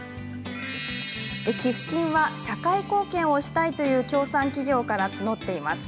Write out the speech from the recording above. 寄付金は、社会貢献をしたいという協賛企業から募っています。